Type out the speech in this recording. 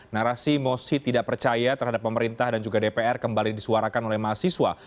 narasi mosi tidak percaya terhadap pemerintah dan juga dpr kembali disuarakan oleh mahasiswa